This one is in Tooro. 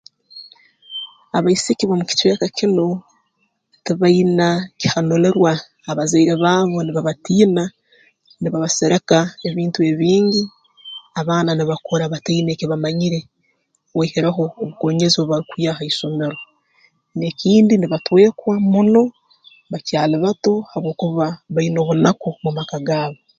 Abaisiki b'omu kicweka kinu tibaina kihanulirwa abazaire baabo nibabatiina nibabasereka ebintu ebingi abaana nibakura bataine eki bamanyire oihireho obukoonyezi obu barukwiha ha isomero n'ekindi nibatwekwa muno bakyali bato habwokuba baine obunaku mu maka gaabo